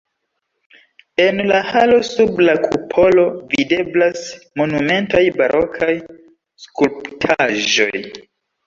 En la halo sub la kupolo videblas monumentaj barokaj skulptaĵoj.